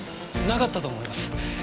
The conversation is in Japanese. なかったと思います。